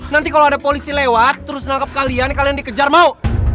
nanti kalau ada polisi lewat terus menangkap kalian kalian dikejar mau